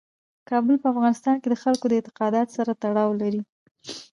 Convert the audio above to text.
کابل په افغانستان کې د خلکو د اعتقاداتو سره تړاو لري.